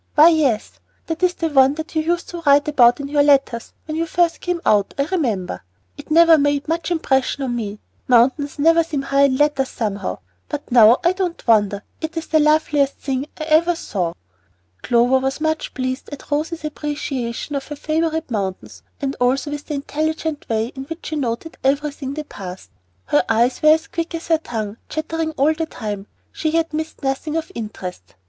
Why, yes, that is the one that you used to write about in your letters when you first came out, I remember. It never made much impression on me, mountains never seem high in letters, somehow, but now I don't wonder. It's the loveliest thing I ever saw." Clover was much pleased at Rose's appreciation of her favorite mountain, and also with the intelligent way in which she noted everything they passed. Her eyes were as quick as her tongue; chattering all the time, she yet missed nothing of interest.